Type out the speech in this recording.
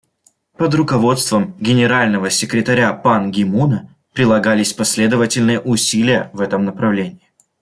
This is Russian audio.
Под руководством Генерального секретаря Пан Ги Муна прилагались последовательные усилия в этом направлении.